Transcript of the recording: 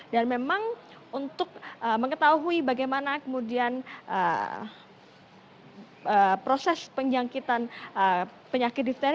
dan memang untuk mengetahui bagaimana kemudian proses penjangkitan penyakit difteri